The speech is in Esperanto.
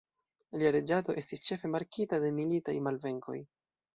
Lia reĝado estis ĉefe markita de militaj malvenkoj.